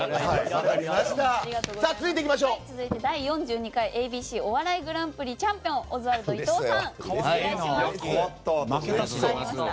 続いて第４２回「ＡＢＣお笑いグランプリ」のチャンピオン、オズワルド伊藤さん